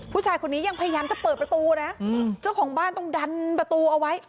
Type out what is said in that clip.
ผู้ชายคนนี้ยังพยายามจะเปิดประตูนะเจ้าของบ้านต้องดันประตูเอาไว้